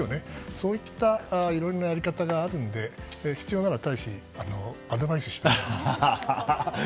そういったいろんなやり方があるので必要なら大使、アドバイスしますよ。